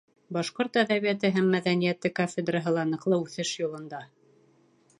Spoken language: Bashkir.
Башҡорт әҙәбиәте һәм мәҙәниәте кафедраһы ла ныҡлы үҫеш юлында.